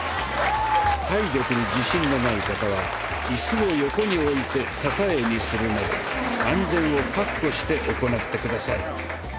体力に自信のない方はイスを横に置いて支えにするなど安全を確保して行って下さい。